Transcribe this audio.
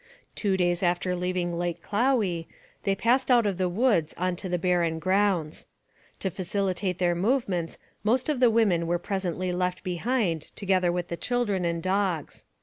Two days after leaving Lake Clowey, they passed out of the woods on to the barren grounds. To facilitate their movements most of the women were presently left behind together with the children and dogs.